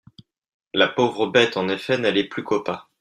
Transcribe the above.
La pauvre bête en effet n'allait plus qu'au pas.